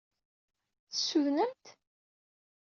Tessudnem-t?